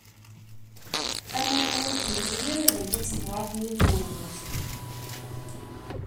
Amaru ur d-yenni ara d anta-tt temɣart-nni mm twemmust.